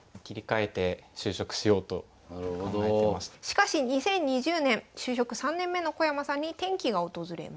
しかし２０２０年就職３年目の小山さんに転機が訪れます。